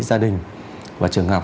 gia đình và trường học